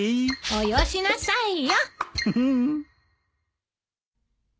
およしなさいよ。